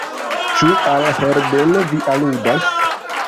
Ĉu al Herbeno vi aludas?